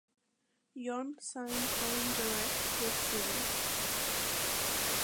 Yeon signed on direct the series.